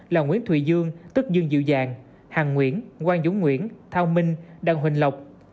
là nguyễn thụy dương tức dương dự dạng hàng nguyễn quang dũng nguyễn thao minh đăng huỳnh lộc